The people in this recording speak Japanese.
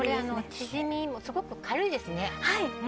チヂミ、すごい軽いですね。